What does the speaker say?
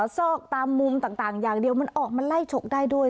ซอกตามมุมต่างอย่างเดียวมันออกมาไล่ฉกได้ด้วย